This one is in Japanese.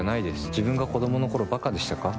自分が子供のころ馬鹿でしたか？